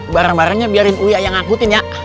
bareng barengnya biarin uwi ayah ngakutin ya